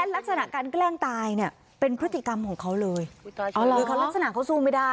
แล้วลักษณะการแกล้งตายเป็นการนำผู้ตายมากเป็นพฤติธรรมของเขาเลยหรือที่ลักษณะเขาสู้ไม่ด้า